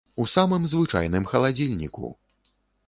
У самым звычайным халадзільніку!